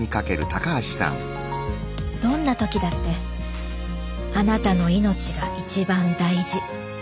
どんな時だってあなたの命が一番大事。